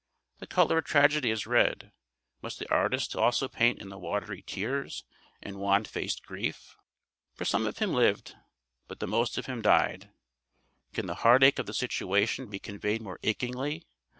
The colour of tragedy is red. Must the artist also paint in the watery tears and wan faced grief? "For some of him lived, but the most of him died" can the heartache of the situation be conveyed more achingly?